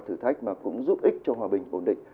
thử thách mà cũng giúp ích cho hòa bình ổn định